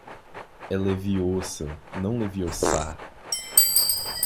É LeviÔsa, não LeviosÁ